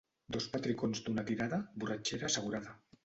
Dos petricons d'una tirada, borratxera assegurada.